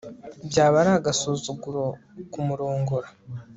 byaba ari agasuzuguro kumurongora